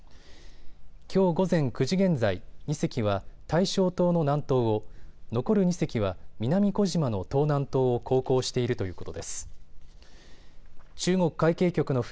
きょう午前９時現在、２隻は大正島の南東を、残る２隻は南小島の東南東を航行しているということです。